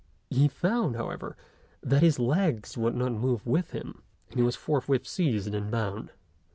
He found, however, that his legs would not move with him, and he was forthwith seized and bound.